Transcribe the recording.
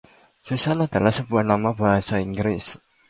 Susan adalah sebuah nama bahasa Inggris.